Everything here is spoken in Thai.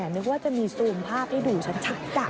แหมนึกว่าจะมีซูมภาพให้ดูฉันฉันจัดจัด